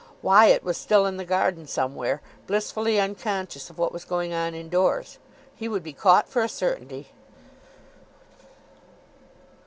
Wyatt was still in the garden somewhere, blissfully unconscious of what was going on indoors. He would be caught for a certainty!